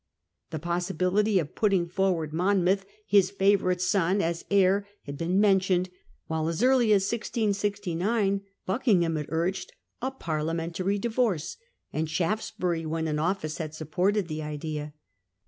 The wluiamand possibility of putting forward Monmouth, his Mary. favourite son, as heir had been mentioned ; while as early as 1669 Buckingham had urged a parlia mentary divorce, and Shaftesbury when in office had sup ported the idea.